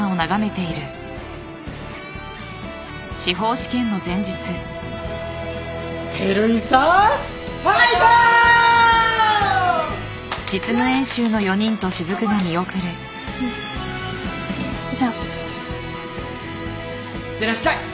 いってらっしゃい！